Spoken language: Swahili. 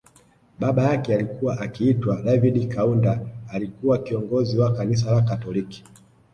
Baba yake alikuwa akiitwa David Kaunda alikuwa kiongozi Wa kanisa la katoliki